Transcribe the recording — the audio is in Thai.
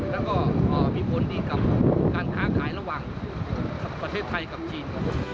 แล้วก็มีผลดีกับการค้าขายระหว่างประเทศไทยกับจีน